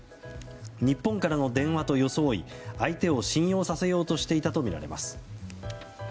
日本からの電話と装い相手を信用させようとしていたとみられます。